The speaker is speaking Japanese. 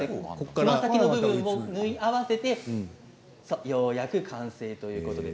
つま先の部分を縫い合わせてようやく完成ということです。